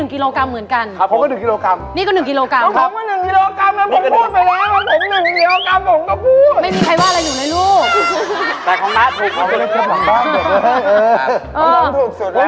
ของน้องถูกสุดครับ